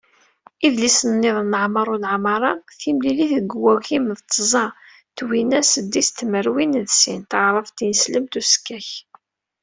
Idlisen-nniḍen n Ɛmer Ulaɛmaṛa "Timlilit deg wagim d tẓa twina d seddis tmerwin d sin, Taɛrabt-Tineslemt n usekkak”.